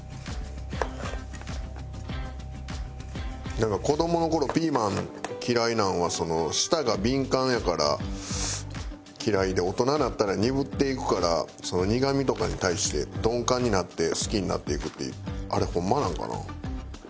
なんか子どもの頃ピーマン嫌いなんは舌が敏感やから嫌いで大人になったら鈍っていくから苦みとかに対して鈍感になって好きになっていくってあれホンマなんかな？